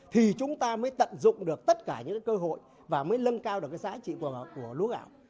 thì chúng ta mới tận dụng được tất cả những cơ hội và mới lân cao được giá trị của lúa gạo